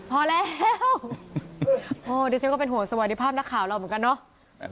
พอแล้วบริเวณนาริสต์ก็จะเป็นหัวสวัสดิภาพนักข่าวเรามันกันเนอะ